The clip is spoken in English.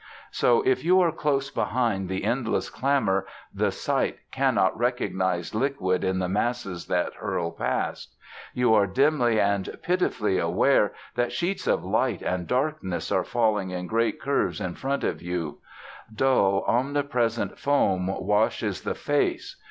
So, if you are close behind the endless clamour, the sight cannot recognise liquid in the masses that hurl past. You are dimly and pitifully aware that sheets of light and darkness are falling in great curves in front of you. Dull omnipresent foam washes the face.